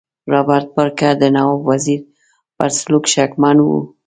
رابرټ بارکر د نواب وزیر پر سلوک شکمن وو.